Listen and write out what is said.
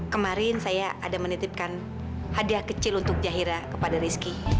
kemarin saya ada menitipkan hadiah kecil untuk jahira kepada rizki